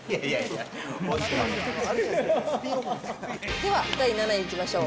では第７位にいきましょう。